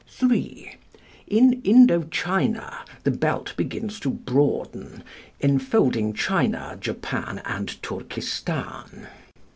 "(3) In Indo China the belt begins to broaden, enfolding China, Japan, and Turkistan.